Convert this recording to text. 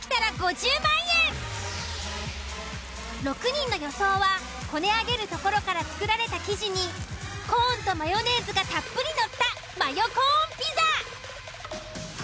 ６人の予想はこね上げるところから作られた生地にコーンとマヨネーズがたっぷり載ったマヨコーンピザ。